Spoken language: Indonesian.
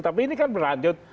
tapi ini kan berlanjut